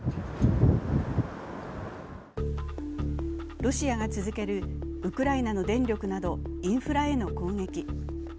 ロシアが続けるウクライナの電力などインフラへの攻撃。